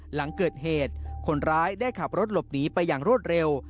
หลังเกิดเหตุคนร้ายได้ขับรถหลบหนีไปอย่างรวดเร็ว